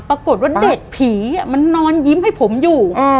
ปรากฏว่าเด็กผีมันนอนยิ้มให้ผมอยู่